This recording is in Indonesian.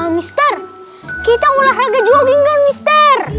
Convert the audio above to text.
mister kita olahraga jogging dong mister